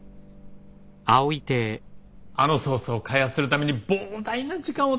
あのソースを開発するために膨大な時間を費やした。